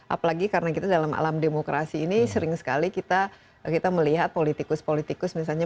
apalagi karena kita dalam alam demokrasi ini sering sekali kita melihat politikus politikus misalnya